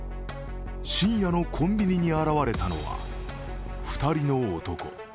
深夜のコンビニに現れたのは２人の男。